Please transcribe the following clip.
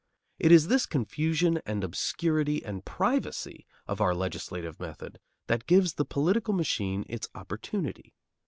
It is this confusion and obscurity and privacy of our legislative method that gives the political machine its opportunity.